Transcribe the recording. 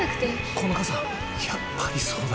この傘やっぱりそうだ。